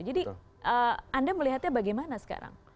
jadi anda melihatnya bagaimana sekarang